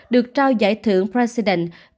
được trao giải thưởng president s award